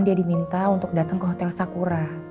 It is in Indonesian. dia diminta untuk datang ke hotel sakura